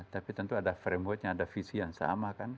tapi tentu ada frame wad yang ada visi yang sama kan